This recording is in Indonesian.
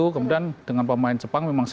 kemudian dengan pemain jepang memang